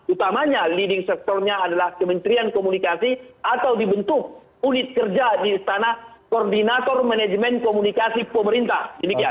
utamanya leading sectornya adalah kementerian komunikasi atau dibentuk unit kerja di istana koordinator manajemen komunikasi pemerintah